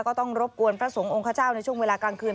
ก็ต้องรบกวนพระสงฆ์องค์ขเจ้าในช่วงเวลากลางคืน